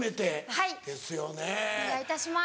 はいお願いいたします。